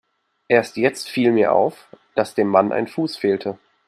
Erst jetzt viel mir auf, dass dem Mann ein Fuß fehlte.